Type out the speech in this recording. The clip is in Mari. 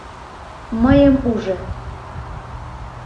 Мыйым ужо.